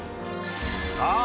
さあ